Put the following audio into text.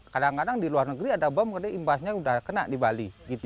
kadang kadang di luar negeri ada bom karena imbasnya sudah kena di bali